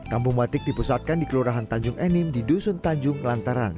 kampung batik dipusatkan di kelurahan tanjung enim di dusun tanjung lantaran